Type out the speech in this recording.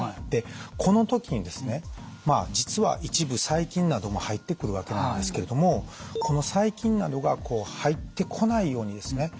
でこの時にですね実は一部細菌なども入ってくるわけなんですけれどもこの細菌などがこう入ってこないようにですね